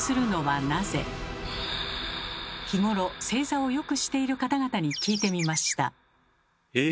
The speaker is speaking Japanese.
日頃正座をよくしている方々に聞いてみました。え？